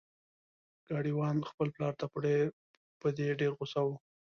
ګاډی وان خپل پلار ته په دې ډیر غوسه و.